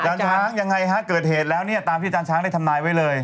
จานช้างยังไงคะเกิดเหตุแล้วตามที่จานช้างได้ทำร้ายไว้เลย